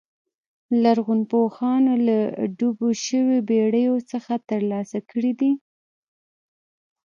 لرغونپوهانو له ډوبو شویو بېړیو څخه ترلاسه کړي دي